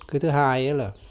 cái thứ hai